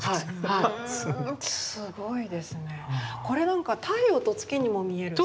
これなんか太陽と月にも見えるし。